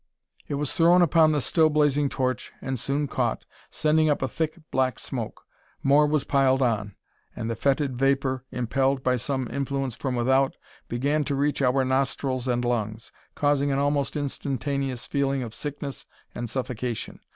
It was thrown upon the still blazing torch, and soon caught, sending up a thick, black smoke. More was piled on; and the fetid vapour, impelled by some influence from without, began to reach our nostrils and lungs, causing an almost instantaneous feeling of sickness and suffocation.